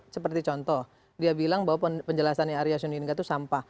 seperti contoh dia bilang bahwa penjelasan arya sunalingga itu sampah